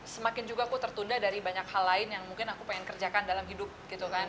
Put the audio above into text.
semakin juga aku tertunda dari banyak hal lain yang mungkin aku pengen kerjakan dalam hidup gitu kan